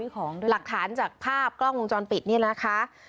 หลักฐานจากภาพกล้องวงจรปิดนี่นะคะ